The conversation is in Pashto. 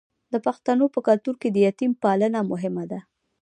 د پښتنو په کلتور کې د یتیم پالنه مهمه ده.